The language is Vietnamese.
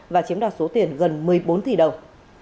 và chiếm đoạt số tiền gần một mươi bốn tỷ đồng